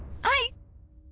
はい！